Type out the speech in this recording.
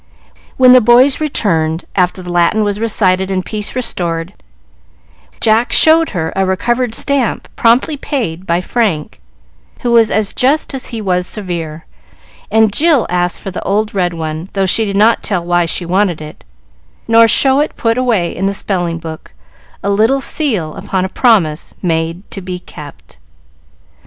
When the boys returned, after the Latin was recited and peace restored, Jack showed her a recovered stamp promptly paid by Frank, who was as just as he was severe, and Jill asked for the old red one, though she did not tell why she wanted it, nor show it put away in the spelling book, a little seal upon a promise made to be kept.